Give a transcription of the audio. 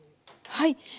はい。